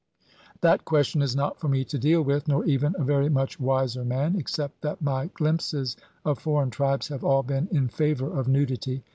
That question is not for me to deal with, nor even a very much wiser man, except that my glimpses of foreign tribes have all been in favour of nudity.